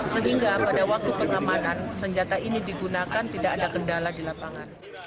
sehingga pada waktu pengamanan senjata ini digunakan tidak ada kendala di lapangan